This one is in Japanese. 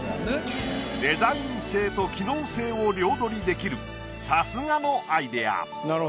デザイン性と機能性を両取りできるさすがのアイデア。